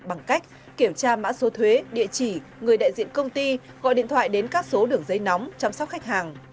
bằng cách kiểm tra mã số thuế địa chỉ người đại diện công ty gọi điện thoại đến các số đường dây nóng chăm sóc khách hàng